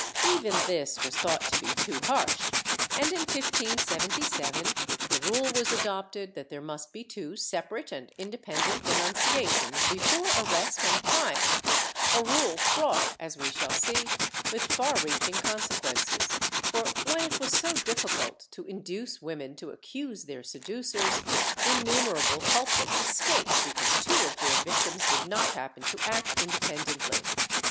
Even this was thought to be too harsh and, in 1577, the rule was adopted that there must be two separate and indepen dent denunciations before arrest and trial— a rule fraught, as we shall see, with far reaching consequences for, when it was so diffi cult to induce women to accuse their seducers, innumerable culprits escaped because two of their victims did not happen to act inde pendently.